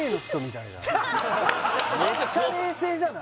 めっちゃ冷静じゃない？